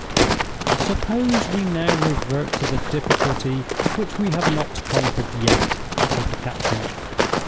"Suppose we now revert to the difficulty which we have not conquered yet," said the captain.